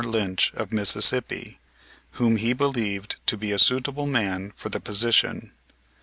Lynch, of Mississippi, whom he believed to be a suitable man for the position.